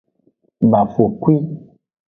Bafokwi.